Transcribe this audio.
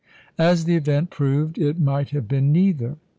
As the event proved, it might have been neither.